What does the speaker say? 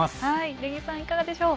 根木さん、いかがでしょう。